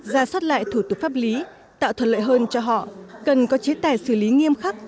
ra soát lại thủ tục pháp lý tạo thuận lợi hơn cho họ cần có chế tài xử lý nghiêm khắc